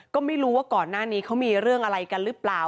ก็ไม่รู้ว่าก่อนหน้านี้เขามีเรื่องอะไรกันหรือเปล่า